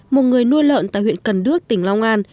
một người nuôi lợn tại huyện cần đước tỉnh long an